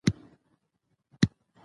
د خـوښـيو لمـر وړانـګې تـولې کـړې.